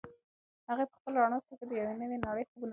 هغې په خپلو رڼو سترګو کې د یوې نوې نړۍ خوبونه لرل.